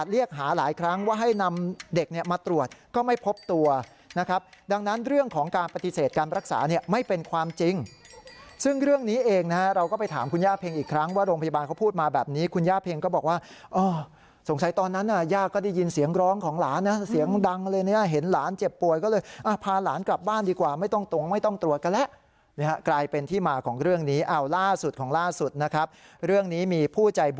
เองนะฮะเราก็ไปถามคุณย่าเพ็งอีกครั้งว่าโรงพยาบาลเขาพูดมาแบบนี้คุณย่าเพ็งก็บอกว่าอ่อสงสัยตอนนั้นน่ะย่าก็ได้ยินเสียงร้องของหลานนะเสียงดังเลยเนี่ยเห็นหลานเจ็บป่วยก็เลยอ่าพาหลานกลับบ้านดีกว่าไม่ต้องตรวจกันแหละนี่ฮะกลายเป็นที่มาของเรื่องนี้อ้าวล่าสุดของล่าสุดนะครับเรื่องนี้มีผู้ใ